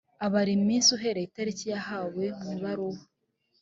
abara iminsi uhereye itariki yahawe mu ibaruwa.